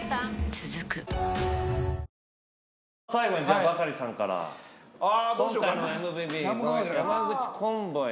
続く最後にじゃあバカリさんから今回のＭＶＢの山口コンボイ